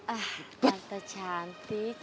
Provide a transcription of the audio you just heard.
ah tante cantik